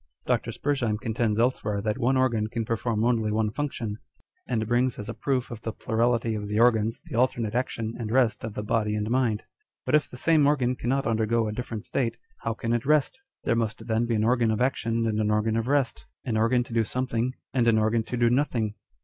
Dr. Spurzheim contends elsewhere that one organ can perform only one function, and brings as a proof of the plurality of the organs the alternate action and rest of the body and mind. But if the same organ cannot undergo a different state, how can it rest ? There must then be an organ of action and an organ of rest, an organ to do something and an organ to do nothing